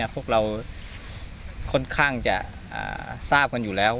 พวกเราค่อนข้างจะทราบกันอยู่แล้ว